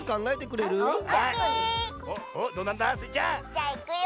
じゃあいくよ！